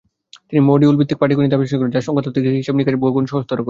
তিনি মডিউলভিত্তিক পাটীগণিত আবিষ্কার করেন, যা সংখ্যাতাত্ত্বিক হিসাব-নিকাশ বহুগুণ সহজতর করে।